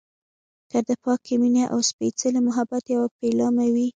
که د پاکې مينې او سپیڅلي محبت يوه پيلامه وي.